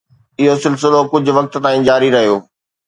اهو سلسلو ڪجهه وقت تائين جاري رهيو.